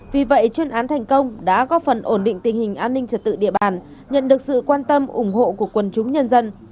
vì vậy chuyên án thành công đã góp phần ổn định tình hình an ninh trật tự địa bàn nhận được sự quan tâm ủng hộ của quần chúng nhân dân